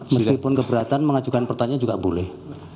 meskipun keberatan mengajukan pertanyaan juga boleh